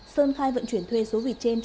sơn khai vận chuyển thuê số vịt trên